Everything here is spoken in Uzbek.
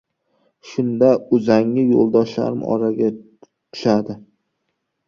Shunda: uzangi yo‘ldoshlarim oraga tushadi.